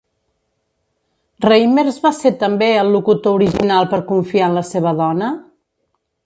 Reimers va ser també el locutor original per confiar en la seva dona?